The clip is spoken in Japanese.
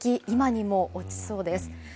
今にも落ちそうです。